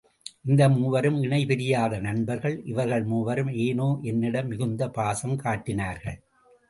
இந்த மூவரும் இணை பிரியாத நண்பர்கள், இவர்கள் மூவரும் ஏனோ என்னிடம் மிகுந்த பாசம் காட்டினார்கள்.